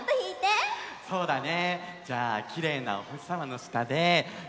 そうだね。